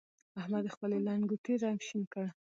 احمد د خپلې لنګوټې رنګ شين کړ.